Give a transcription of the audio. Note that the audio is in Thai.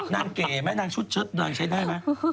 นางเก๋ม่ะนางชุดนางใช้ได้มั้ย